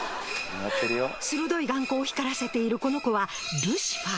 鋭い眼光を光らせているこの子はルシファー。